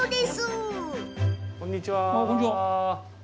おっ、こんにちは。